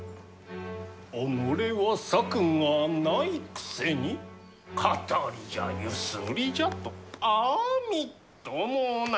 己は策がないくせに騙りじゃゆすりじゃとあみっともない。